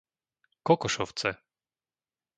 Kokošovce